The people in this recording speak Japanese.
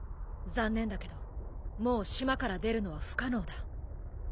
残念だけどもう島から出るのは不可能だ。